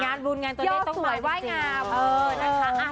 งานบุญงานตัวเองต้องมาว่ายงาม